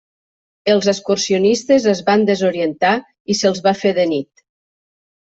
Els excursionistes es van desorientar i se'ls va fer de nit.